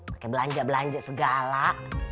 pake belanja belanja segala